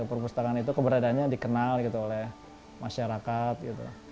perpustakaan itu keberadaannya dikenal gitu oleh masyarakat gitu